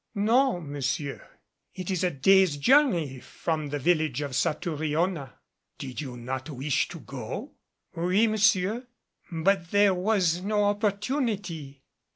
"No, monsieur. It is a day's journey from the village of Satouriona." "Did you not wish to go?" "Oui, monsieur, but there was no opportunity.